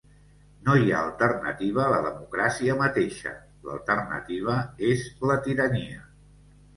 No hi ha alternativa a la democràcia mateixa, l’alternativa és la tirania.